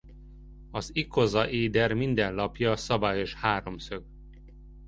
Az ikozaéder minden lapja szabályos háromszög.